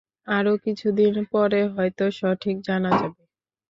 আরও কিছুদিন পরে হয়তো সঠিক জানা যাবে।